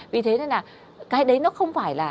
vì thế nên là cái đấy nó không phải là